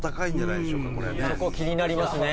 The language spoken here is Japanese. そこ気になりますね。